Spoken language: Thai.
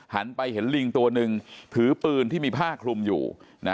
หันไปเห็นลิงตัวหนึ่งถือปืนที่มีผ้าคลุมอยู่